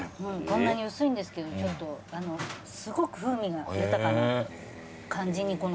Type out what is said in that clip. こんなに薄いんですけどすごく風味が豊かな感じに。